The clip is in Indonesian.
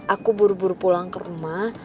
aku buru buru pulang ke rumah